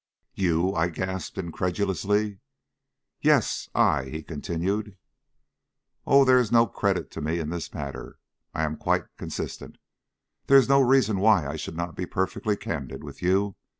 "You!" I gasped incredulously. "Yes, I," he continued. "Oh, there is no credit to me in the matter. I am quite consistent. There is no reason why I should not be perfectly candid with you.